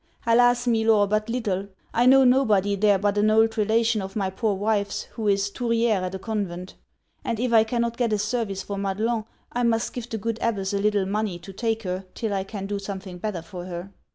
'Alas! Milor, but little. I know nobody there but an old relation of my poor wife's, who is Touriere at a convent; and if I cannot get a service for Madelon, I must give the good abbess a little money to take her till I can do something better for her.'